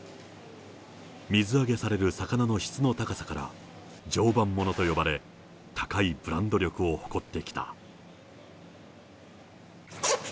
水揚げされる魚の質の高さから、常磐ものと呼ばれ、高いブランド力を誇ってきた。